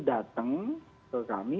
datang ke kami